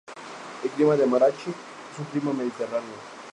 El clima de Marrachí es un clima mediterráneo.